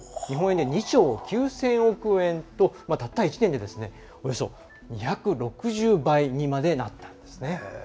日本円で２兆９０００億円とたった１年でおよそ２６０倍にまでなったんですね。